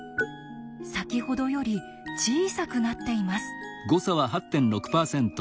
先ほどより小さくなっています。